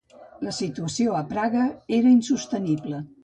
La situació a Praga era insostenible.